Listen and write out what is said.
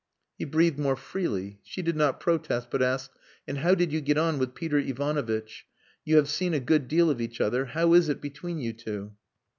He breathed more freely; she did not protest, but asked, "And how did you get on with Peter Ivanovitch? You have seen a good deal of each other. How is it between you two?"